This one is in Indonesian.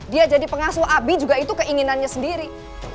dia jadi pengasuh abi juga itu keinginannya sendiri